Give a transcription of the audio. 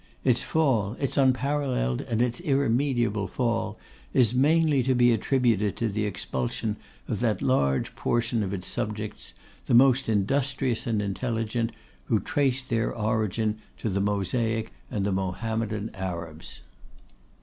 Its fall, its unparalleled and its irremediable fall, is mainly to be attributed to the expulsion of that large portion of its subjects, the most industrious and intelligent, who traced their origin to the Mosaic and Mohammedan Arabs.